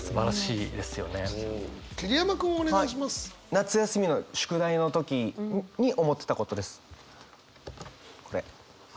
夏休みの宿題の時に思ってたことです。